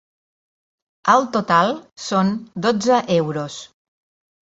El total són dotze euros.